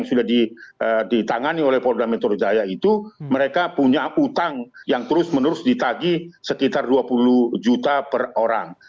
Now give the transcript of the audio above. sudah ditangani oleh polda metro jaya itu mereka punya utang yang terus menerus ditagi sekitar dua puluh juta per orang